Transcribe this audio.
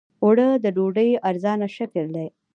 اوړه د ډوډۍ ارزانه شکل دی